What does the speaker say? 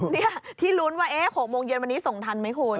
นี่ที่ลุ้นว่า๖โมงเย็นวันนี้ส่งทันไหมคุณ